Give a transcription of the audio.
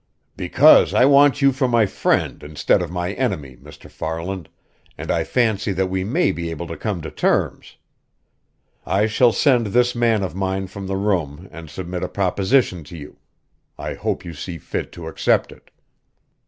"Because I want you for my friend instead of my enemy, Mr. Farland, and I fancy that we may be able to come to terms. I shall send this man of mine from the room and submit a proposition to you. I hope you see fit to accept it."